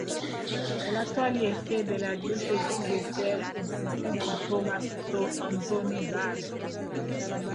El actual jefe de la Diócesis es el Obispo Thomas Anthony Daly.